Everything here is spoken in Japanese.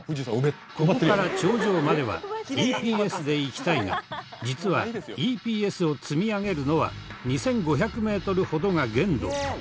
ここから頂上まではＥＰＳでいきたいが実はＥＰＳを積み上げるのは２５００メートルほどが限度。